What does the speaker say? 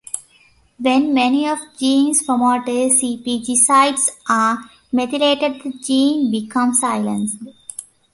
When many of a gene's promoter CpG sites are methylated the gene becomes silenced.